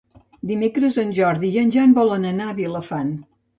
Dimecres en Jordi i en Jan volen anar a Vilafant.